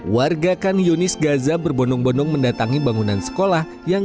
warga kan yunis gaza berbondong bondong mendatangi bangunan sekolah yang